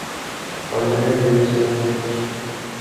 অন্তরের মিল ছিল খুব বেশি।